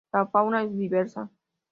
La fauna es diversa.